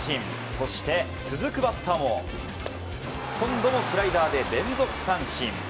そして続くバッターも今度もスライダーで連続三振。